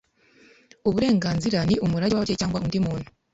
uburenganzira ni umurage w’ababyeyi c yangwa undi muntu